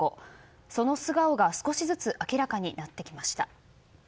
その素顔が少しずつ明らかになってきました。